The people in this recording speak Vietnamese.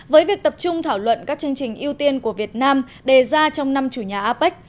với việc tập trung thảo luận các chương trình ưu tiên của việt nam đề ra trong năm chủ nhà apec